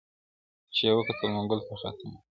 • چي یې وکتل منګول ته خامتما سو -